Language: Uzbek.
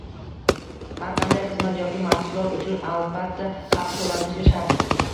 Har qanday xizmat yoki mahsulot uchun albatta haq to’lanishi shart